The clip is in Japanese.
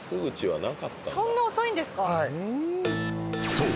［そう。